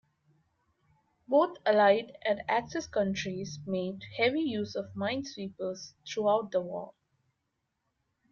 Both Allied and Axis countries made heavy use of minesweepers throughout the war.